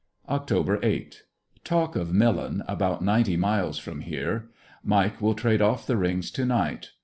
Oct. 8, — Talk of Millen, about ninety miles from here. Mike will trade off the rings to night.